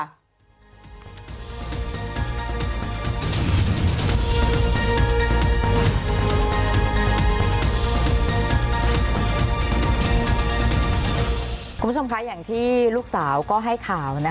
คุณผู้ชมคะอย่างที่ลูกสาวก็ให้ข่าวนะคะ